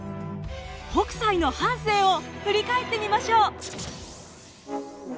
北斎の半生を振り返ってみましょう。